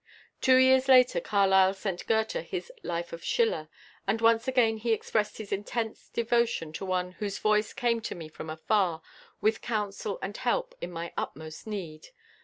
Two years later Carlyle sent Goethe his "Life of Schiller," and once again he expressed his intense devotion to one "whose voice came to me from afar, with counsel and help, in my utmost need."